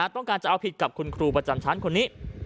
จะเอาผิดกับคุณครูประจำชั้นคนนี้